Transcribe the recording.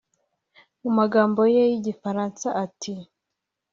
(mu magambo ye y’igifaransa ati